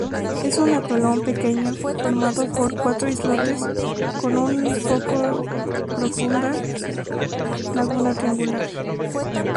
Es un atolón pequeño formado por cuatro islotes con una poco profunda laguna triangular.